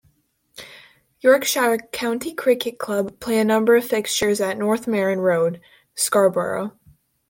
Yorkshire County Cricket Club, play a number of fixtures at North Marine Road, Scarborough.